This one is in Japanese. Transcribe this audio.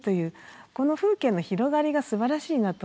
この風景の広がりがすばらしいなと思いました。